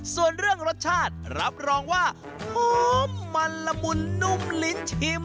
ส่วนเรื่องรสชาติรับรองว่าหอมมันละมุนนุ่มลิ้นชิม